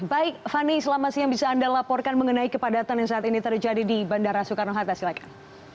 baik fani selamat siang bisa anda laporkan mengenai kepadatan yang saat ini terjadi di bandara soekarno hatta silakan